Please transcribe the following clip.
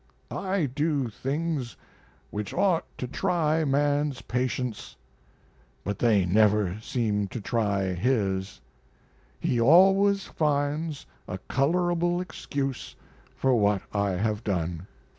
I do things which ought to try man's patience, but they never seem to try his; he always finds a colorable excuse for what I have done.